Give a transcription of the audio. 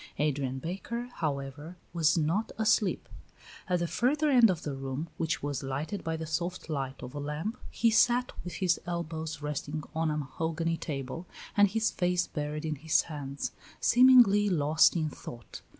Adrian Baker, however, was not asleep. At the further end of the room, which was lighted by the soft light of a lamp, he sat with his elbows resting on a mahogany table and his face buried in his hands, seemingly lost in thought.